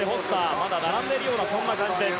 まだ並んでいるような感じです。